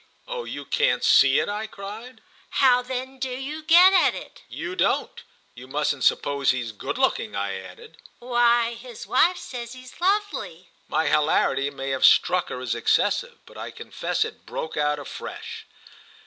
"Oh, you can't 'see' it!" I cried. "How then do you get at it?" "You don't! You mustn't suppose he's good looking," I added. "Why his wife says he's lovely!" My hilarity may have struck her as excessive, but I confess it broke out afresh.